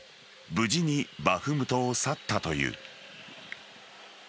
無事にバフムトを去ったという。